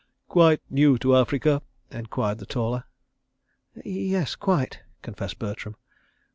"Quite new to Africa?" enquired the taller. "Yes. Quite," confessed Bertram.